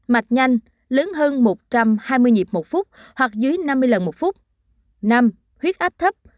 bốn mạch nhanh lớn hơn một trăm hai mươi nhịp một phút hoặc dưới năm mươi lần một phút